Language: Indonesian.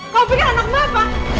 kau pikir anak mbak apa